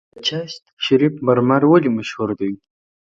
د چشت شریف مرمر ولې مشهور دي؟